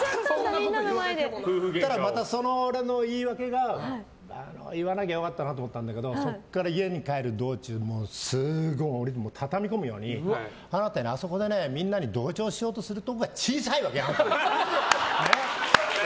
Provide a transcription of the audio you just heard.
ただ、またその言い訳が言わなきゃよかったなと思ったんだけどそこから家に帰る道中畳み込むようにあなたね、あそこでみんなに同調しようとするところが小さいの！って。